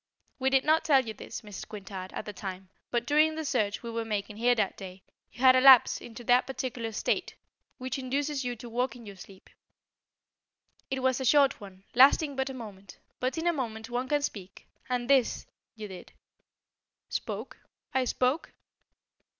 We did not tell you this, Mrs. Quintard, at the time, but during the search we were making here that day, you had a lapse into that peculiar state which induces you to walk in your sleep. It was a short one, lasting but a moment, but in a moment one can speak, and, this you did " "Spoke? I spoke?"